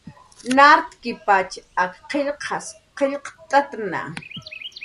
Nart'kipatx ak qillqas qillqt'atna